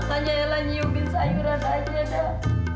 makanya yang lagi ubin sayuran aja dah